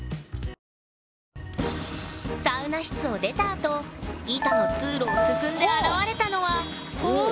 サウナ室を出たあと板の通路を進んで現れたのはおお！